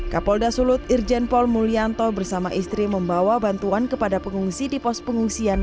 kapolda sulut irjen paul mulyanto bersama istri membawa bantuan kepada pengungsi di pos pengungsian